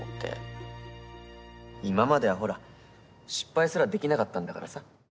今まではほら失敗すらできなかったんだからさ。